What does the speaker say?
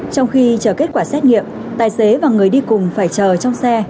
trong khi chờ kết quả xét nghiệm tài xế và người đi cùng phải chờ trong xe